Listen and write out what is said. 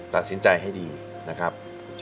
ตัดสินใจให้ดีนะครับ